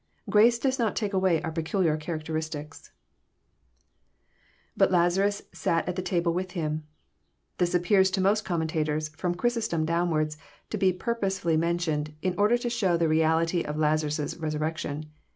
Grace does not take away our peculiar characteristics. [ Bta Lazarus. . .sat at the table wtth him.] This appears to most commentators, ft'om Chrysostom downwards, to be purposely mentioned, in order to show the reality of Lazarus* resurrection.